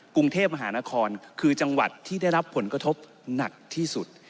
กรุงเทพมหานครคือจังหวัดที่ได้รับผลกระทบหนักที่สุด